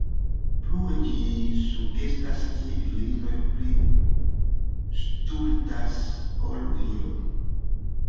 Plue ĝi sugestas, ke virinoj pli stultas ol viroj.